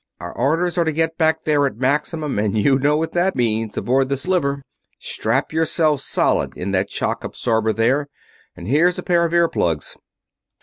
Our orders are to get back there at maximum, and you know what that means aboard the Sliver. Strap yourself solid in that shock absorber there, and here's a pair of ear plugs."